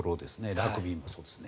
ラグビーもそうですね。